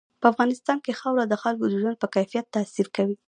په افغانستان کې خاوره د خلکو د ژوند په کیفیت تاثیر کوي.